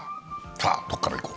さあ、どこから行こう？